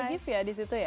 bisa gif ya di situ ya